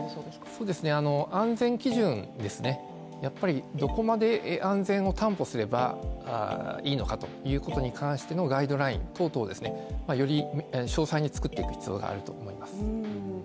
安全基準、やっぱりどこまで安全を担保すればいいのかということに関してのガイドライン等々、より詳細に作っていく必要があると思います。